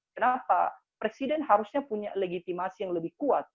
kenapa presiden harusnya punya legitimasi yang lebih kuat